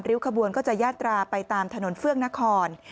ขบวนก็จะยาตราไปตามถนนเฟื่องนคร